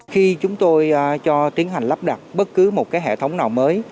khi chúng tôi cho tiến hành lắp đặt bất cứ một hệ thống nào mới